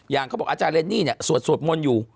เขาบอกอาจารย์เรนนี่เนี่ยสวดมนต์อยู่